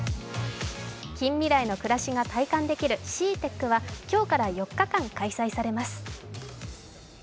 近未来の暮らしが体感できるＣＥＡＴＥＣは今日から４日間、開催されます。